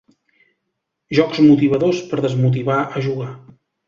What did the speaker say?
Jocs motivadors per desmotivar a jugar.